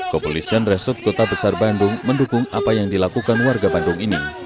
kepolisian resort kota besar bandung mendukung apa yang dilakukan warga bandung ini